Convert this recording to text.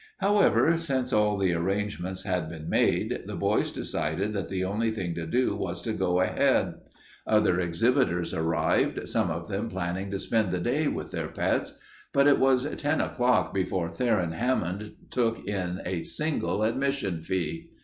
However, since all the arrangements had been made, the boys decided that the only thing to do was to go ahead. Other exhibitors arrived, some of them planning to spend the day with their pets, but it was ten o'clock before Theron Hammond took in a single admission fee.